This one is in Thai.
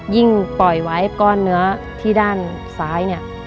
ยิ่งปล่อยไว้ก้อนเนื้อที่ด้านซ้ายเนี่ย